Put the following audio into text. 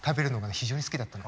非常に好きだったの。